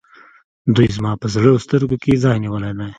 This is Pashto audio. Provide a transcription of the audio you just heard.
دوی زما په زړه او سترګو کې ځای نیولی دی.